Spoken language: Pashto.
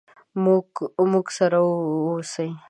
موږ سره ووسئ.